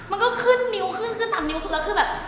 มันก็ขึ้นนิ้วขึ้นขึ้นตามนิ้วสุดแล้วคือแบบ